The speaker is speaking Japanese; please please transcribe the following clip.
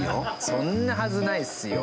そんなはずないですよ。